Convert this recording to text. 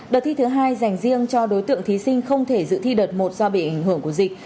đợt thi thứ hai dành riêng cho đối tượng thí sinh không thể dự thi đợt một do bị ảnh hưởng của dịch